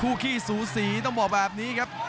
ขี้สูสีต้องบอกแบบนี้ครับ